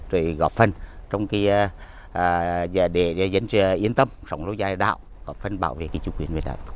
rồi góp phần trong cái giờ để dân yên tâm sống lâu dài đạo góp phần bảo vệ kinh tế